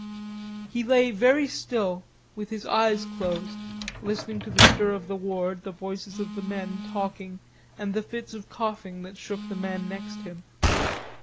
He lay very still, with his eyes closed, listening to the stir of the ward, the voices of men talking and the fits of coughing that shook the man next him.